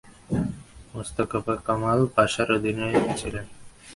তিনি Mustafa Kemal পাশার অধীনে ছিলেন।